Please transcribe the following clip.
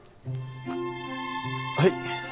はい。